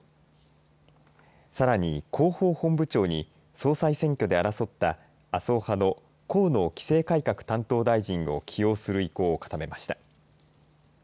さらに広報本部長に総裁選挙で争った麻生派の河野規制改革担当大臣を起用する意向を固めました。